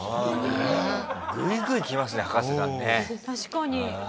確かに。